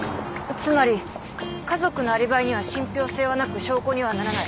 つまり家族のアリバイには信ぴょう性はなく証拠にはならない。